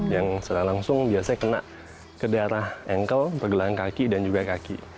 yang secara langsung biasanya kena ke daerah ankle pergelangan kaki dan juga kaki